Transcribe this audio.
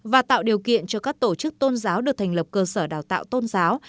và tạo điều kiện cho các tổ chức tôn giáo được thành lập cơ sở đào tạo tôn giáo